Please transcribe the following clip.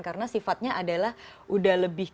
karena sifatnya adalah udah lebih